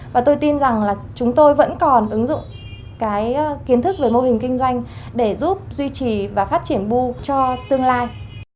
và tôi tin rằng là chúng tôi vẫn còn ứng dụng cái kiến thức về mô hình kinh doanh để giúp duy trì và phát triển bu cho tương lai